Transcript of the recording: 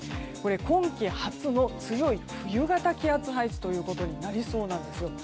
今季初の強い冬型の気圧配置となりそうです。